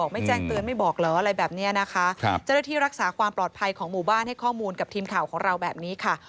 ไม่แจ้งเตือนไม่บอกเหรออะไรแบบนี้นะคะครับเจ้าหน้าที่รักษาความปลอดภัยของหมู่บ้านให้ข้อมูลกับทีมข่าวของเราแบบนี้ค่ะ